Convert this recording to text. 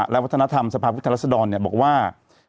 และวัฒนธรรมสภาพวิทยาลัยสดรบอกว่า